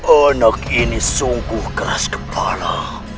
anak ini sungguh keras kepala